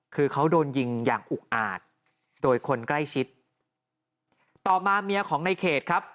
คือเขาโดนยิงอย่างอุกอาจโดยคนใกล้ชิดต่อมาเมียของในเขตครับ